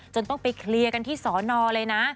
ต้องไปเคลียร์กันที่สอนอเลยนะ